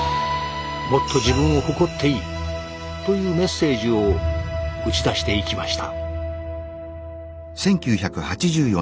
「もっと自分を誇っていい」というメッセージを打ち出していきました。